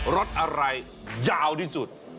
รถอะไรยาวที่สุด